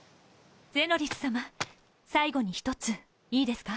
ゼノリスさま最後に１ついいですか？